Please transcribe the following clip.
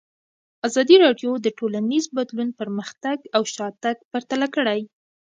ازادي راډیو د ټولنیز بدلون پرمختګ او شاتګ پرتله کړی.